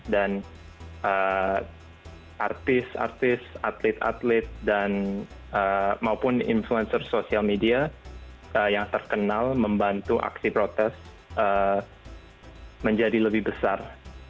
artis artis atlet atlet dan maupun influencer social media yang terkenal membantu aksi protes menjadi lebih besar